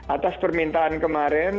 atas permintaan kemarin